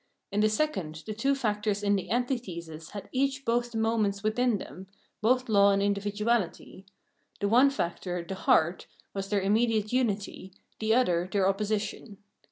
In the second the two factors in the antithesis had each both the moments within them, both law and individuahty ; the one factor, the " heart," was their immediate unity, the other their opposition.